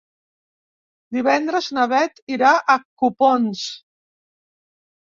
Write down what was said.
Divendres na Beth irà a Copons.